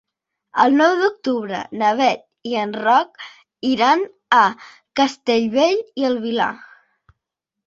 El nou d'octubre na Beth i en Roc iran a Castellbell i el Vilar.